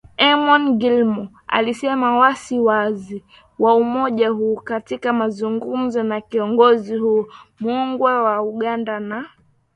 Eamon Gilmore alisema wasi-wasi wa umoja huo, katika mazungumzo na kiongozi huyo mkongwe wa Uganda na maafisa wengine wakati wa ziara yake mjini kampala